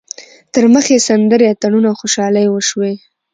تر مخ یې سندرې، اتڼونه او خوشحالۍ وشوې.